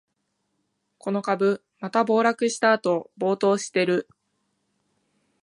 この株、また暴落したあと暴騰してる